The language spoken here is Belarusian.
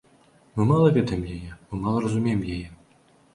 Мы мала ведаем яе, мы мала разумеем яе.